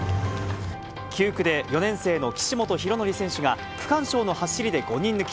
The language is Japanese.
９区で４年生の岸本大紀選手が、区間賞の走りで５人抜き。